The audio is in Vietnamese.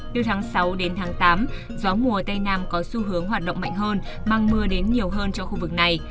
từ tháng sáu đến tháng tám gió mùa tây nam có xu hướng hoạt động mạnh hơn mang mưa đến nhiều hơn cho khu vực này